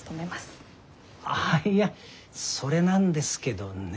ああいやそれなんですけどね。